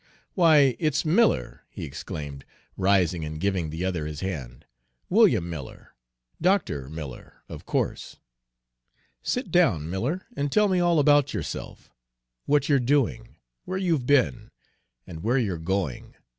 "Why, it's Miller!" he exclaimed, rising and giving the other his hand, "William Miller Dr. Miller, of course. Sit down, Miller, and tell me all about yourself, what you're doing, where you've been, and where you're going.